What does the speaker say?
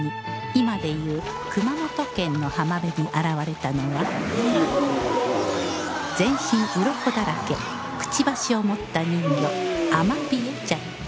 今で言う熊本県の浜辺に現れたのは全身鱗だらけくちばしを持った人魚アマビエじゃった